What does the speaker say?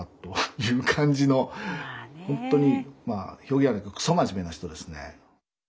ほんとにまあ表現悪いけどくそ真面目な人ですね。